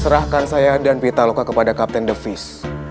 serahkan saya dan witaloka kepada kapten de vies